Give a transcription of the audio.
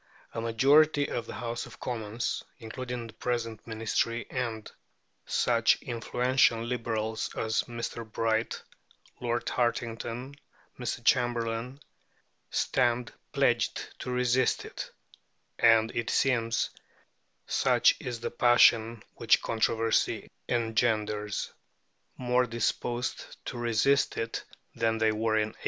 A majority of the House of Commons, including the present Ministry and such influential Liberals as Mr. Bright, Lord Hartington, Mr. Chamberlain, stand pledged to resist it, and seem such is the passion which controversy engenders more disposed to resist it than they were in 1885.